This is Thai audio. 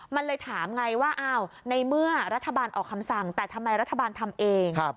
มันเลยถามไงว่าอ้าวในเมื่อรัฐบาลออกคำสั่งแต่ทำไมรัฐบาลทำเอง